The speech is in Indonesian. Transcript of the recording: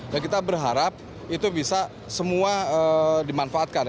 dan kita berharap itu bisa semua dimanfaatkan